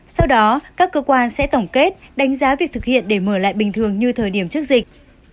sau đó các cơ quan sẽ tổng kết đánh giá việc thực hiện để mở lại bình thường như thời điểm trước dịch